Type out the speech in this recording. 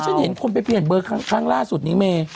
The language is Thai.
ฉันเห็นคนไปเปลี่ยนเบอร์ครั้งล่าสุดนี้เมย์